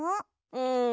うん。